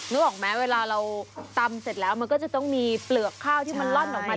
นึกออกไหมเวลาเราตำเสร็จแล้วมันก็จะต้องมีเปลือกข้าวที่มันล่อนออกมา